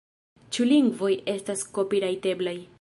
Ĉu lingvoj estas kopirajteblaj